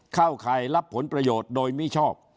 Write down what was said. เข้าใครลับผลประโยชน์โดยมิชชอบ